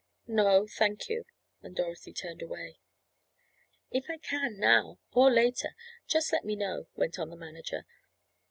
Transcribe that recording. "No, thank you," and Dorothy turned away. "If I can now, or later, just let me know," went on the manager.